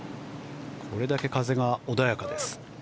これだけ風が穏やかです。